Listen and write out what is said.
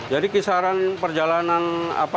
jadi kisaran perjalanan kegiatan